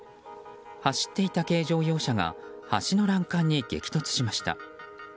走っていた軽乗用車が橋の欄干に激突しました。